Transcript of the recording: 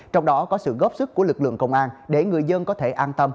trong đó có sự góp sức của lực lượng công an để người dân có thể an tâm